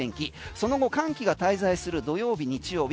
その後寒気が滞在する土曜日、日曜日